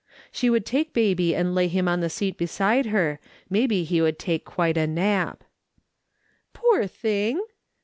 She would take baby and lay him on the seat beside her, maybe he would take quite a nap. "Poor thing!"